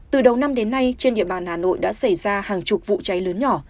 từ đầu năm đến nay trên địa bàn hà nội đã xảy ra hàng chục vụ cháy lớn nhỏ